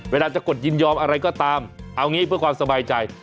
เวลาจะกดยินยอมอะไรก็ตามเอางี้เพื่อความสบายใจ